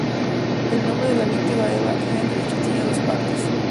El nombre de la víctima Eva Heydrich tiene dos partes.